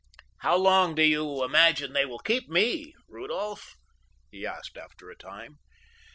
"How long do you imagine they will keep me, Rudolph?" he asked after a time.